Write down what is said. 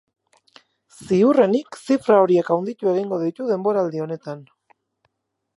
Ziurrenik zifra horiek handitu egingo ditu denboraldi honetan.